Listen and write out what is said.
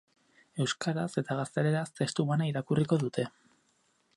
Euskaraz eta gazteleraz testu bana irakurriko dute.